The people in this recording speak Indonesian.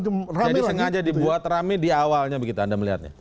jadi sengaja dibuat rame di awalnya begitu anda melihatnya